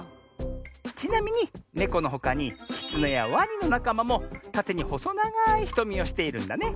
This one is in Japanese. ちなみにネコのほかにキツネやワニのなかまもたてにほそながいひとみをしているんだね。